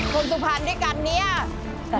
คนสุขภัณฑ์ด้วยกันเนี่ย